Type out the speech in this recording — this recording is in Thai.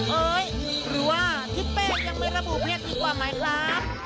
เอ้ยหรือว่าทิศเป้ยังไม่ระบุเพศดีกว่าไหมครับ